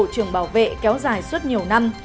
tổ trưởng bảo vệ kéo dài suốt nhiều năm